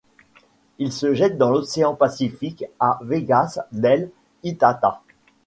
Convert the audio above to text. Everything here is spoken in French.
Il se jette dans l'Océan Pacifique à Vegas del Itata.